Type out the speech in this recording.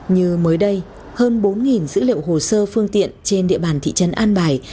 như mới đây hơn bốn dữ liệu hồ sơ phương tiện trên địa bàn thị trấn an bài